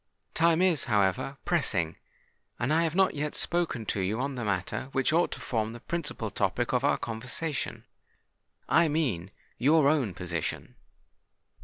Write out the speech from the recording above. Time is, however, pressing; and I have not yet spoken to you on the matter which ought to form the principal topic of our conversation;—I mean your own position.